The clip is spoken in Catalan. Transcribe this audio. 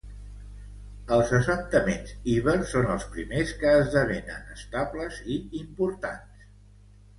Els assentaments ibers són els primers que esdevenen estables i importants.